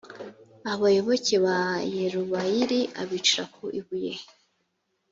abayoboke ba yerubayali abicira ku ibuye